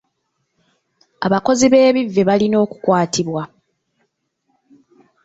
Abakozi b'ebivve balina okukwatibwa.